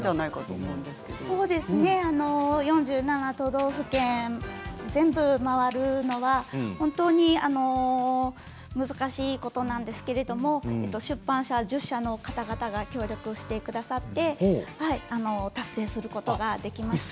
そうですね、４７都道府県全部回るのは本当に難しいことなんですけれど出版社１０社の方々が協力をしてくださって達成することができました。